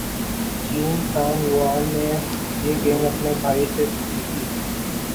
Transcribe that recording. چین سان یوان نے یہ گیم اپنے بھائی سے سیکھی تھی